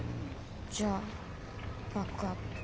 じゃあバックアップ。